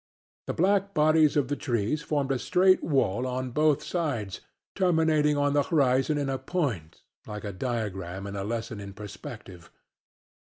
The black bodies of the trees formed a straight wall on both sides, terminating on the horizon in a point, like a diagram in a lesson in perspective.